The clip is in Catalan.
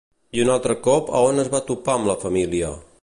I un altre cop a on es va topar amb la família?